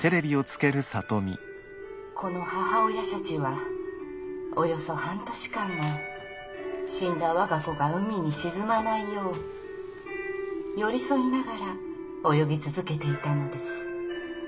「この母親シャチはおよそ半年間も死んだ我が子が海に沈まないよう寄り添いながら泳ぎ続けていたのです。